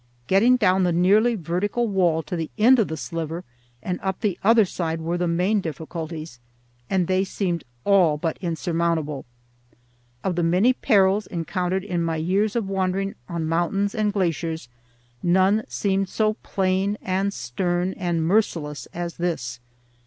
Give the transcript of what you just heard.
Getting down the nearly vertical wall to the end of the sliver and up the other side were the main difficulties, and they seemed all but insurmountable. Of the many perils encountered in my years of wandering on mountains and glaciers none seemed so plain and stern and merciless as this.